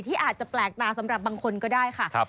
อาจจะแปลกตาสำหรับบางคนก็ได้ค่ะ